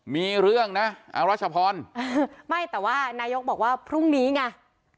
มีเรื่องนะอรัชพรไม่แต่ว่านายกบอกว่าพรุ่งนี้ไง